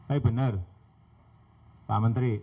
eh benar pak menteri